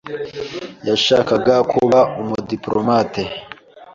yashakaga kuba umudipolomate.